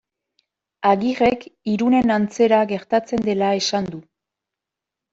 Agirrek Irunen antzera gertatzen dela esan du.